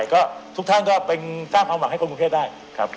ก็ทุกท่านก็เป็นสร้างความหวังให้คนกรุงเทพได้ครับ